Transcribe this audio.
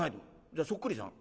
じゃあそっくりさん？」。